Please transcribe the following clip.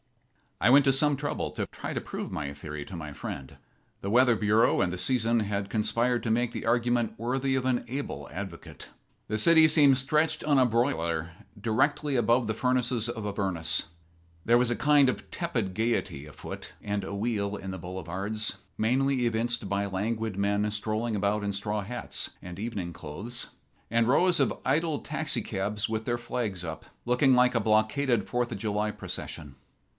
I went to some trouble to try to prove my theory to my friend. The Weather Bureau and the season had conspired to make the argument worthy of an able advocate. The city seemed stretched on a broiler directly above the furnaces of Avernus. There was a kind of tepid gayety afoot and awheel in the boulevards, mainly evinced by languid men strolling about in straw hats and evening clothes, and rows of idle taxicabs with their flags up, looking like a blockaded Fourth of July procession.